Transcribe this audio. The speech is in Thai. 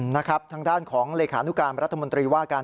นะครับทางด้านของรัฐมนตรีว่าการ